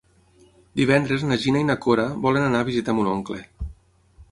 Divendres na Gina i na Cora volen anar a visitar mon oncle.